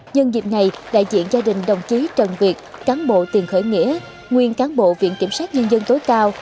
nhân dịp này đại diện gia đình đồng chí trần việt cán bộ tiền khởi nghĩa nguyên cán bộ viện kiểm sát nhân dân tối cao